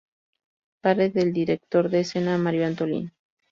Padre del director de escena Mario Antolín.